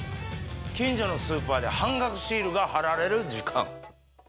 近所のスーパーで半額シールが貼られる時間。